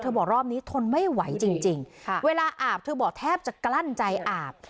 บอกรอบนี้ทนไม่ไหวจริงเวลาอาบเธอบอกแทบจะกลั้นใจอาบ